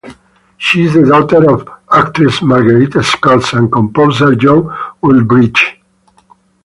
She is the daughter of actress Margaretta Scott and composer John Wooldridge.